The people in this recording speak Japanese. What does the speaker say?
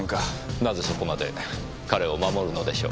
なぜそこまで彼を守るのでしょう？